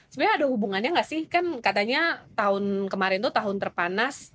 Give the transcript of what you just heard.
sebenarnya ada hubungannya nggak sih kan katanya tahun kemarin itu tahun terpanas